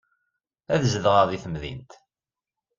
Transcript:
Ad zedɣeɣ deg temdint.